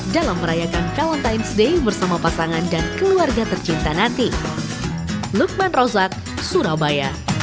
dalam merayakan valentines ⁇ day bersama pasangan dan keluarga tercinta nanti